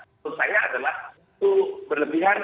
menurut saya adalah itu berlebihan